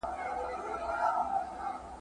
هتکړۍ به دي تل نه وي !.